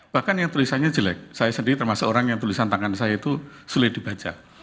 bahkan yang tulisannya jelek saya sendiri termasuk orang yang tulisan tangan saya itu sulit dibaca